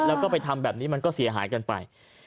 แล้วก็ไปทำแบบนี้มันก็เสียหายกันไป